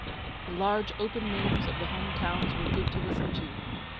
The large open names of the home towns were good to listen to.